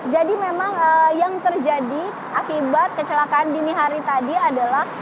jadi memang yang terjadi akibat kecelakaan dini hari tadi adalah